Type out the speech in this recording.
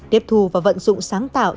đếp thu và vận dụng sáng tạo